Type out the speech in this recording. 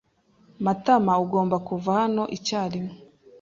Matamaugomba kuva hano icyarimwe.